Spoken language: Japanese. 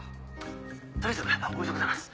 取りあえずおめでとうございます。